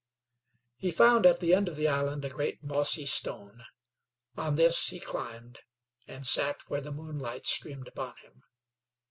He found at the end of the island a great, mossy stone. On this he climbed, and sat where the moonlight streamed upon him.